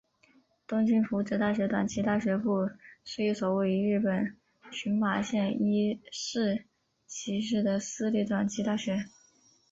东京福祉大学短期大学部是一所位于日本群马县伊势崎市的私立短期大学。